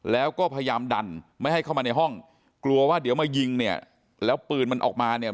แล้วก็พยายามดันไม่ให้เข้ามาในห้องกลัวว่าเดี๋ยวมายิงเนี่ยแล้วปืนมันออกมาเนี่ย